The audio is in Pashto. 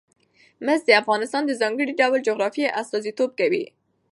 مس د افغانستان د ځانګړي ډول جغرافیه استازیتوب کوي.